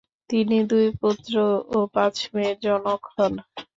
তিনি দুই পুত্র ও পাঁচ মেয়ের জনক হন।